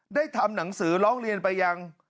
ทำหนังสือร้องเรียนไปยัง